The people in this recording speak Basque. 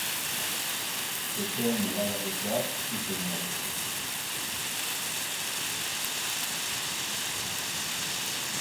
Etxeen eraberritzeaz hitz egingo digute.